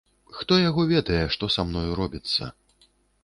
Хто яго ведае, што са мною робіцца.